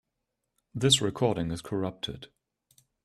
This recording is corrupted.